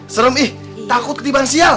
serem ih takut ketiban sial